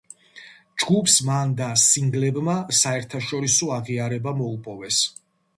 ჯგუფს მან და სინგლებმა საერთაშორისო აღიარება მოუპოვეს.